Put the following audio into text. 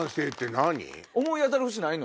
思い当たる節ないの？